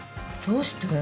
どうして？